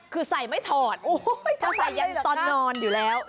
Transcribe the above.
คือใส่ไม่ถอดจะใส่ยันตอนนอนอยู่แล้ว